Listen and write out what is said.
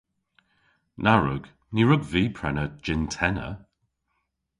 Na wrug. Ny wrug vy prena jynn-tenna.